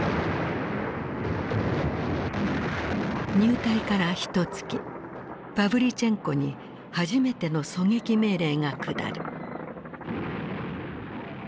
入隊からひとつきパヴリチェンコに初めての狙撃命令が下る。